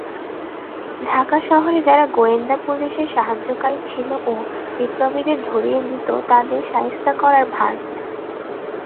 ঢাকা শহরে যারা গোয়েন্দা পুলিশের সাহায্যকারী ছিল ও বিপ্লবীদের ধরিয়ে দিতো তাদের শায়েস্তা করার ভার নেন।